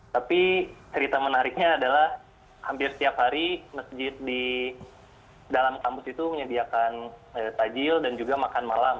tapi cerita menariknya adalah hampir setiap hari masjid di dalam kampus itu menyediakan tajil dan juga makan malam